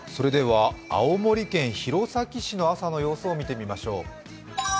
青森県弘前市の朝の様子を見てみましょう。